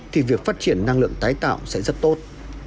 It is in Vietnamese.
thì việc phát triển năng lượng tái tạo sẽ rất tốt